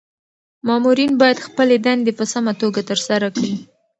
مامورین باید خپلي دندي په سمه توګه ترسره کړي.